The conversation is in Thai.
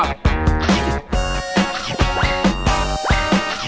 ชาโคพี่